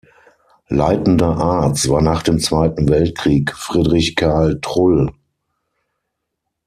Leitender Arzt war nach dem Zweiten Weltkrieg Friedrich-Karl Trull.